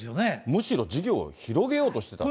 むしろ事業を広げようとしてた。